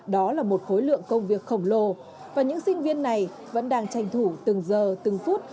đó là một khối lượng công việc khổng lồ và những sinh viên này vẫn đang tranh thủ từng giờ từng phút